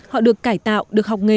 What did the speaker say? họ được cải tạo được học nghề